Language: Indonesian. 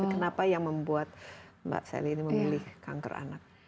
kenapa yang membuat mbak sel ini memulih kanker anak